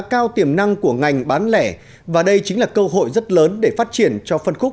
cao tiềm năng của ngành bán lẻ và đây chính là cơ hội rất lớn để phát triển cho phân khúc